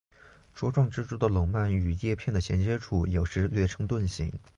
茁壮植株的笼蔓与叶片的衔接处有时略呈盾形。